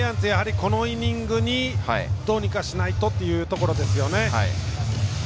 このイニングをどうにかしないとというところですね。